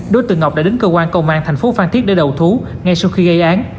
đối tượng ngọc đã đến cơ quan công an thành phố phan thiết để đầu thú ngay sau khi gây án